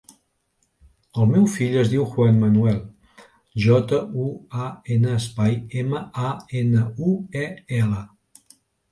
El meu fill es diu Juan manuel: jota, u, a, ena, espai, ema, a, ena, u, e, ela.